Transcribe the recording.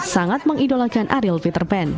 sangat mengidolakan ariel peter pan